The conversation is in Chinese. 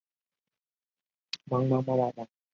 后在哥伦比亚大学和萨塞克斯大学担任客座教授。